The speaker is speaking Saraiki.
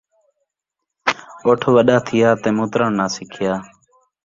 اٹھ وݙا تھیا تے مترݨ نہ سکھیا